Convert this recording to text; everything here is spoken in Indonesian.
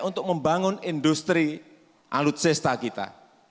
untuk membangun industri alutsesta kita